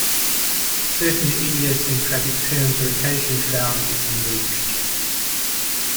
Certain idiosyncratic terms are occasionally found in the literature.